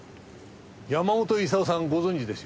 山本功さんご存じですよね？